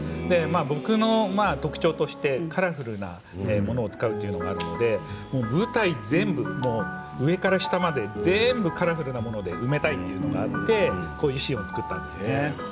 僕の特徴としてカラフルなものを使うというのがあるので舞台全部、上から下まで全部カラフルなもので埋めたいというのがあってこういうシーンを作ったんですね。